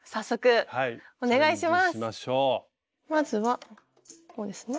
まずはここですね。